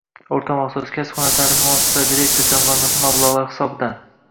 O‘rta maxsus, kasb-hunar ta’limi muassasalari direktor jamg‘armasi mablag‘lari hisobidan